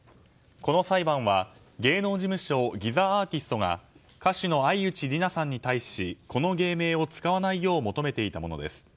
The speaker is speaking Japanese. この裁判は芸能事務所ギザアーティストが歌手の愛内里菜さんに対しこの芸名を使わないよう求めていたものです。